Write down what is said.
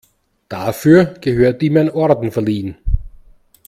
Dafür gehört ihm ein Orden verliehen.